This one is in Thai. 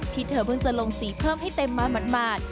เธอเพิ่งจะลงสีเพิ่มให้เต็มมาหมาด